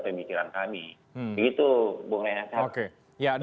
pemikiran kami begitu bung renhat